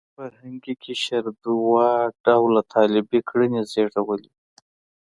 فرهنګي قشر دوه ډوله طالبي کړنې زېږولې.